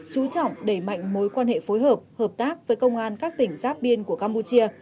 chú trọng đẩy mạnh mối quan hệ phối hợp hợp tác với công an các tỉnh giáp biên của campuchia